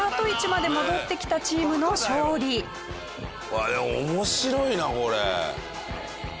あっでも面白いなこれ。